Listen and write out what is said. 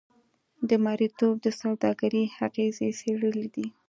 د مریتوب د سوداګرۍ اغېزې څېړلې دي.